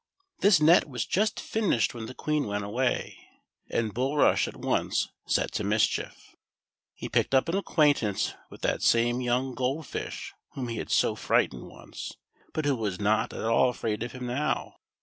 This net was just finished when the Queen went away, and Bulrush at once set to mischief. He picked up an acquaintance with that same young Gold Fish whom he had so frightened once, but who was not at all afraid of him now.